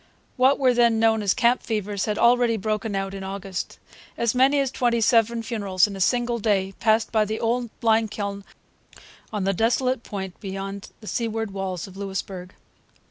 What were then known as camp fevers had already broken out in August. As many as twenty seven funerals in a single day passed by the old lime kiln on the desolate point beyond the seaward walls of Louisbourg.